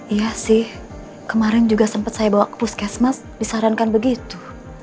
iya sih kemarin juga sempat saya bawa ke puskesmas disarankan begitu